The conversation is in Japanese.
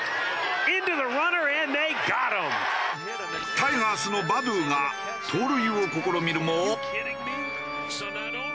タイガースのバドゥーが盗塁を試みるも。